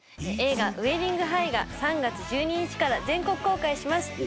映画「ウェディング・ハイ」が３月１２日から全国公開します